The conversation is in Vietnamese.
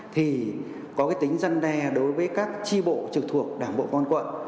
thì có tính dân đe đối với các tri bộ trực thuộc đảng bộ công an quận